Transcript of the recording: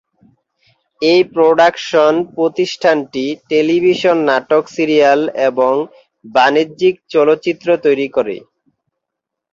এই প্রোডাকশন প্রতিষ্ঠানটি টেলিভিশন নাটক সিরিয়াল এবং বাণিজ্যিক চলচ্চিত্র তৈরি করে।